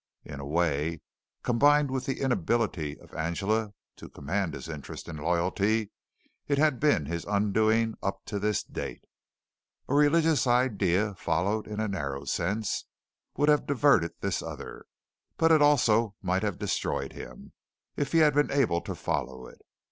In a way, combined with the inability of Angela to command his interest and loyalty, it had been his undoing up to this date. A religious idea followed in a narrow sense would have diverted this other, but it also might have destroyed him, if he had been able to follow it.